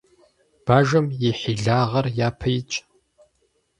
Бажэм и хьилагъэр япэ итщ.